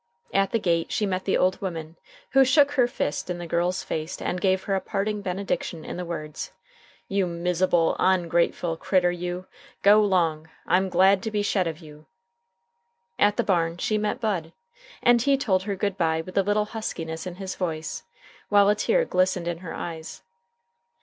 At the gate she met the old woman, who shook her fist in the girl's face and gave her a parting benediction in the words: "You mis'able, ongrateful critter you, go 'long. I'm glad to be shed of you!" At the barn she met Bud, and he told her good by with a little huskiness in his voice, while a tear glistened in her eyes.